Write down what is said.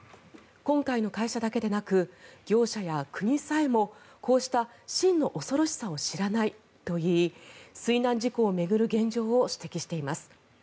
今回の会社だけでなく業者や国さえもこうした真の恐ろしさを知らないといい水難事故を巡る現状を指摘しています。